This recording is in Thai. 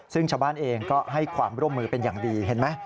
ซึ่งชาวบ้านเองก็ให้ความร่วมมือเป็นอย่างดีเห็นไหม